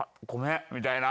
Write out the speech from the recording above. みたいな。